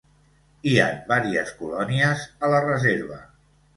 Hi han varies colònies a la reserva.